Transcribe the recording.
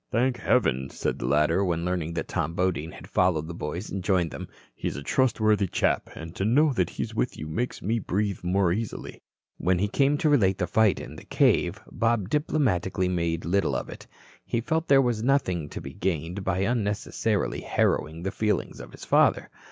"Thank heaven," said the latter, when learning that Tom Bodine had followed the boys and joined them. "He's a trustworthy chap, and to know that he is with you makes me breathe more easily." When he came to relate the fight in the cave, Bob diplomatically made little of it. He felt there was nothing to be gained by unnecessarily harrowing the feelings of his father.